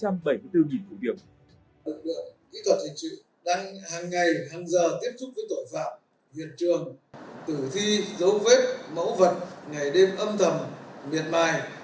lực lượng kỹ thuật hình sự đang hàng ngày hàng giờ tiếp xúc với tội phạm hiện trường tử thi dấu vết mẫu vật ngày đêm âm thầm miệt mài